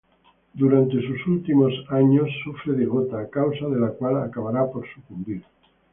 Durante sus últimos años, sufre de gota,a causa de la cual acabará por sucumbir.